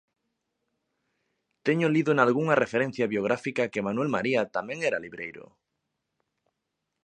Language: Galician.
Teño lido nalgunha referencia biográfica que Manuel María tamén era libreiro.